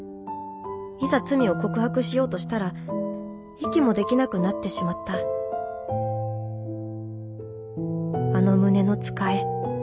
いざ罪を告白しようとしたら息もできなくなってしまったあの胸のつかえ。